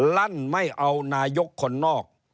ลั่นไม่เอานายกคนนอก